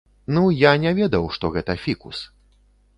Ну, я не ведаў, што гэта фікус.